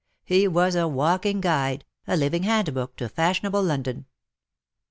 He was a walking guide, a living hand book to fashionable London.